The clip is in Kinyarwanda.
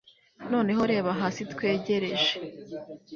Noneho reba hasi twegereje